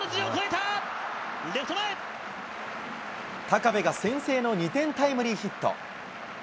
高部が先制の２点タイムリーヒット。